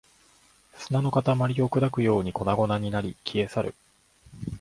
砂の塊を砕くように粉々になり、消え去る